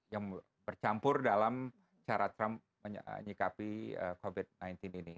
yang bercampur dalam cara trump menyikapi covid sembilan belas ini